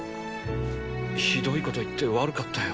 ひどいこと言って悪かったよ。